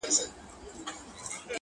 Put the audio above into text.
هغه خو ټوله ژوند تاته درکړی وو په مينه،